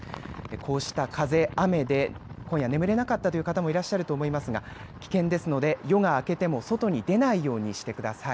こうした、風、雨で今夜眠れなかったという方もいらしゃると思いますが危険ですので、夜が明けても外に出ないようにしてください。